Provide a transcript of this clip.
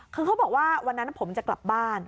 คือเขาบอกว่าวันนั้นผมจะกลับบ้าน